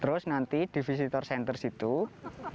terus nanti di visitor center itu itu diwajibkan untuk mencuci tangan juga